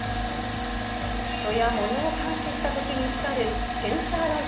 人やものを感知したときに光るセンサーライト。